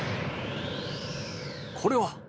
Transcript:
これは。